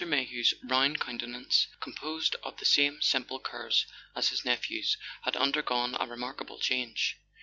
Mayhew's round countenance, composed of the same simple curves as his nephew's, had undergone a remarkable change.